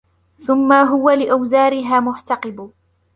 ثُمَّ هُوَ لِأَوْزَارِهَا مُحْتَقِبٌ